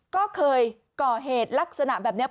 ก็เคยก่อเหตุลักษณะแบบนี้